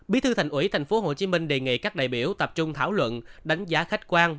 bí thư thành ủy thành phố hồ chí minh đề nghị các đại biểu tập trung thảo luận đánh giá khách quan